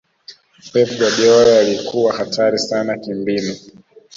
pep guardiola alikuwa hatari sana kimbinu